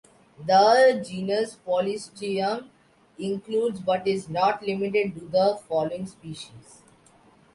The genus "Polystichum" includes, but is not limited to, the following species.